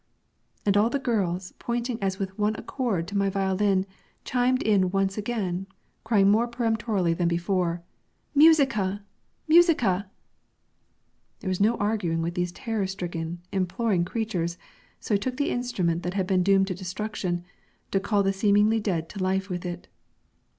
And all the girls, pointing as with one accord to my violin, chimed in once again, crying more peremptorily than before, "Musica! Musica!" There was no arguing with these terror stricken, imploring creatures, so I took the instrument that had been doomed to destruction, to call the seemingly dead to life with it.